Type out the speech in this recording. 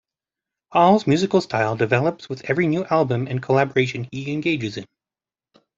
Hall's musical style develops with every new album and collaboration he engages in.